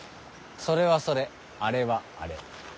それはそれあれはあれ。